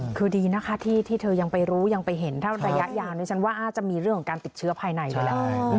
ค่ะคือดีนะคะที่ที่เธอยังไปรู้ยังไปเห็นเท่าระยะอย่างนี้ฉันว่าอาจจะมีเรื่องการติดเชื้อภายในเวลา